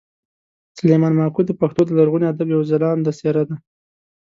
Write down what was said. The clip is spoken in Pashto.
سلیمان ماکو د پښتو د لرغوني ادب یوه خلانده څېره ده